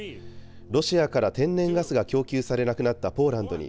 ロシアから天然ガスが供給されなくなったポーランドに、